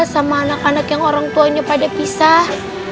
sama anak anak yang orang tuanya pada pisah